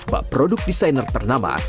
produk produk desainer ternama